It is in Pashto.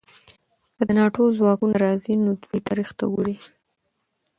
که د ناټو ځواکونه راځي، نو دوی تاریخ ته ګوري.